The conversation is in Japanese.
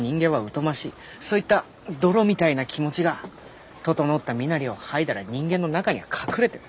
そういった泥みたいな気持ちが整った身なりを剥いだら人間の中には隠れてる。